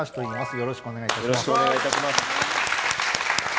よろしくお願いします。